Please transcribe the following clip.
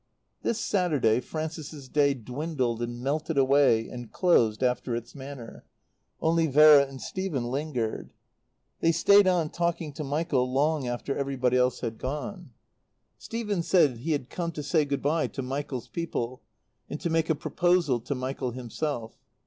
This Saturday Frances's Day dwindled and melted away and closed, after its manner; only Vera and Stephen lingered. They stayed on talking to Michael long after everybody else had gone. Stephen said he had come to say good bye to Michael's people and to make a proposal to Michael himself.